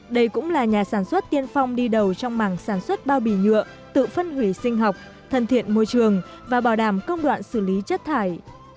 đây cũng là nhà sản xuất tiên phong đi đầu trong mảng sản xuất bao bì nhựa tự phân hủy sinh học thân thiện môi trường và bảo đảm công đoạn xử lý chất thải